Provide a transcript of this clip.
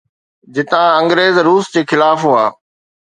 جتان انگريز روس جي خلاف هئا.